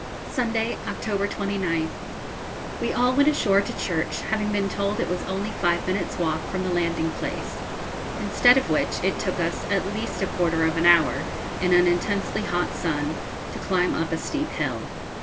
Sunday, October 29th. We all went ashore to church, having been told it was only five minutes' walk from the landing place, instead of which it took us at least a quarter of an hour, in an intensely hot sun, to climb up a steep hill.